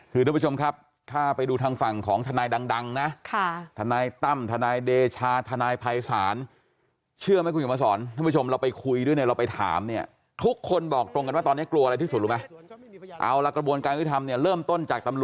คือถึงขั้นก็บอกโอ้โหธนายแม่จะไหวไหมเนี่ยค่ะประมาณอย่างนั้นเลยนะฮะ